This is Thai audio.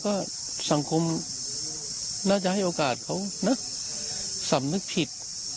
ก็สังคมน่าจะให้โอกาสเขานะสำนึกผิด